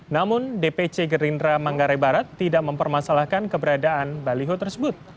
namun dpc gerindra manggarai barat tidak mempermasalahkan keberadaan baliho tersebut